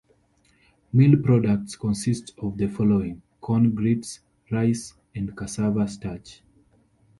Mill products consist of the following: corn grits, rice, and casava starch.